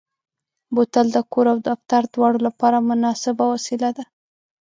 بوتل د کور او دفتر دواړو لپاره مناسبه وسیله ده.